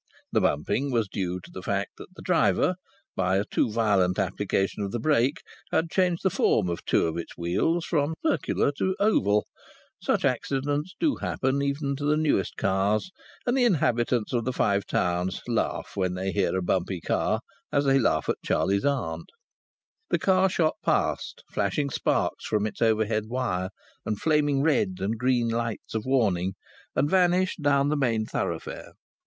The bumping was due to the fact that the driver, by a too violent application of the brake, had changed the form of two of its wheels from circular to oval. Such accidents do happen, even to the newest cars, and the inhabitants of the Five Towns laugh when they hear a bumpy car as they laugh at Charley's Aunt. The car shot past, flashing sparks from its overhead wire and flaming red and green lights of warning, and vanished down the main thoroughfare.